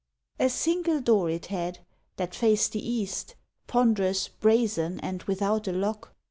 A single door it had, that faced the east, Ponderous, brazen and without a lock.